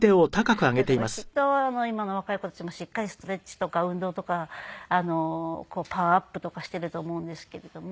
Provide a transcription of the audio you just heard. だからきっと今の若い子たちもしっかりストレッチとか運動とかパワーアップとかしていると思うんですけれども。